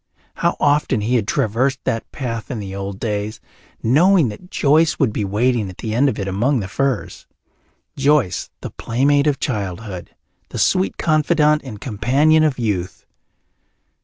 How often he had traversed that path in the old days, knowing that Joyce would be waiting at the end of it among the firs Joyce, the playmate of childhood, the sweet confidante and companion of youth!